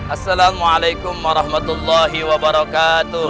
assalamualaikum warahmatullahi wabarakatuh